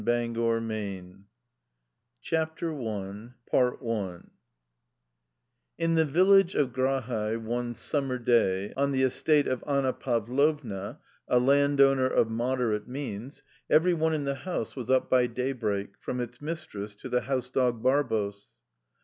A COMMON STORY CHAPTER I In the village of Grahae one summer day on the estate of Anna Pavlovna, a landowner of moderate means, every one in the house was up by daybreak, from its mistress to the house dog Barbos.